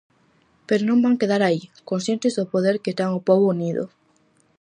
Pero non van quedar aí, conscientes do poder que ten o pobo unido.